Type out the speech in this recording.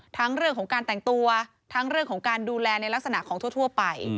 ทั้งเรื่องของการแต่งตัวทั้งเรื่องของการดูแลในลักษณะของทั่วไป